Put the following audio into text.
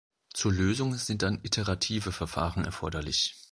Zur Lösung sind dann iterative Verfahren erforderlich.